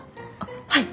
はい。